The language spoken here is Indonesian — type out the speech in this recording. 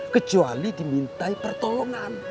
kecuali dimintai pertolongan